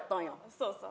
そうそう。